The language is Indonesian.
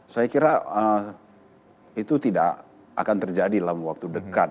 saya kira itu tidak akan terjadi dalam waktu dekat